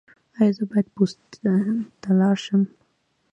ایا زه باید پوستې ته لاړ شم؟